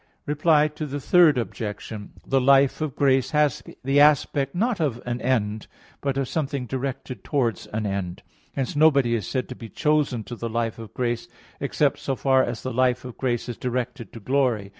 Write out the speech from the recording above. Reply Obj. 3: The life of grace has the aspect, not of an end, but of something directed towards an end. Hence nobody is said to be chosen to the life of grace, except so far as the life of grace is directed to glory.